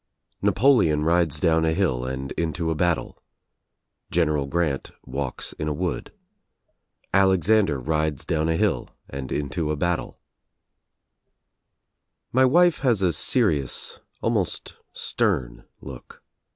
Napoleon rides down a hill and inio a General Grant walks in a wood. Alexander rides down a hill and into a My wife has a serious, almost stern look.